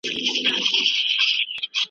ما پرون په نیمه شپه کي پیر په خوب کي دی لیدلی .